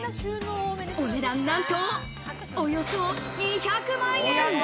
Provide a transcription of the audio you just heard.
お値段なんと、およそ２００万円。